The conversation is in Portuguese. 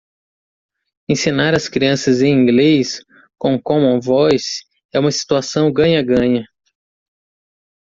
Ensinar as crianças em inglês com Common Voice é uma situação ganha-ganha.